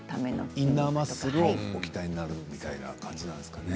インナーマッスルをお鍛えになる感じなんですかね。